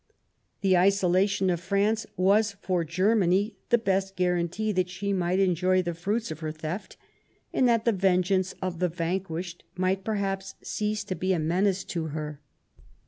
The isolation of France was for Germany the best guarantee that she might enjoy the fruits of her theft and that the vengeance of the vanquished might perhaps cease to be a menace to her.